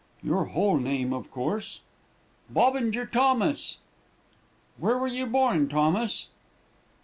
"'Your whole name, of course.' "'Bobinger Thomas.' "'Where were you born, Thomas?'